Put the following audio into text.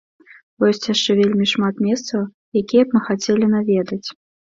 Бо ёсць яшчэ вельмі шмат месцаў, якія б мы хацелі наведаць.